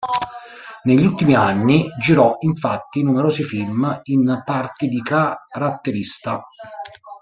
Negli ultimi anni, girò infatti numerosi film in parti di caratterista.